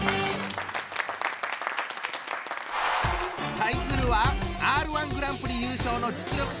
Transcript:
対するはＲ−１グランプリ優勝の実力者！